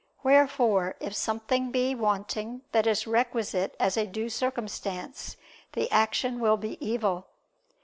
Wherefore if something be wanting that is requisite as a due circumstance the action will be evil.